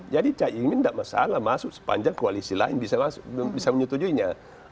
jadi cak imin tidak masalah masuk sepanjang koalisi lain bisa menyetujuinya